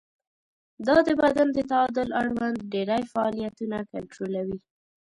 دا د بدن د تعادل اړوند ډېری فعالیتونه کنټرولوي.